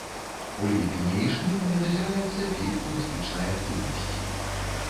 У ліпені і жніўні назіраецца пік турыстычнай актыўнасці.